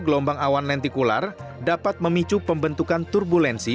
gelombang awan lentikular dapat memicu pembentukan turbulensi